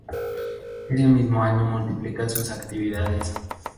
Ese mismo año multiplica sus actividades.